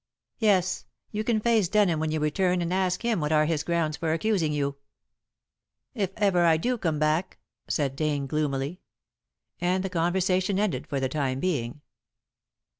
"Yes. You can face Denham when you return and ask him what are his grounds for accusing you." "If ever I do come back," said Dane gloomily. And the conversation ended for the time being.